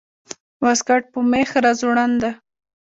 واسکټ په مېخ راځوړند ده